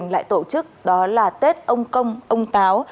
lại tổ chức đó là tết ông công ông táo